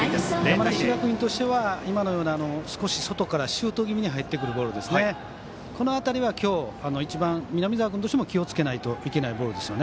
山梨学院としては今のような、少し外からシュート気味に入ってくるボールこの辺りは今日一番南澤君としても気をつけないといけないボール。